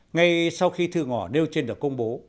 ngay sau khi thư ngỏ đeo trên được công bố